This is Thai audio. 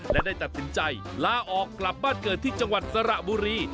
และได้ตัดสินใจลาออกกลับบ้านเกิดที่จังหวัดสระบุรี